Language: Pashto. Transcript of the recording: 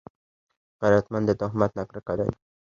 غیرتمند د تهمت نه کرکه لري